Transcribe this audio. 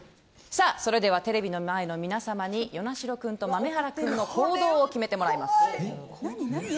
それではテレビの前の皆さんに與那城君と豆原君の行動を決めてもらいます。